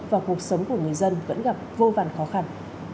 và cuộc sống của người dân vẫn gặp vô vàn khó khăn